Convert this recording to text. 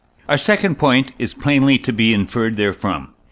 Our second point is plainly to be inferred therefrom.